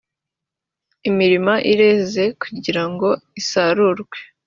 imirima ireze kugira ngo isarurwe